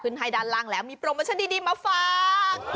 ให้ด้านล่างแล้วมีโปรโมชั่นดีมาฝาก